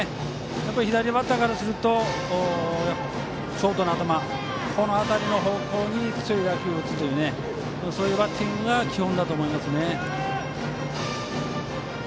左バッターからするとショートの頭、この方向に強い打球を打つことがそういうバッティングが基本だと思いますね。